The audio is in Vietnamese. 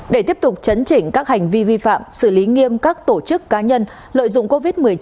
để tiếp tục chấn chỉnh các hành vi vi phạm xử lý nghiêm các tổ chức cá nhân lợi dụng covid một mươi chín